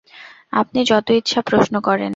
আপনি যত ইচ্ছা প্রশ্ন করেন।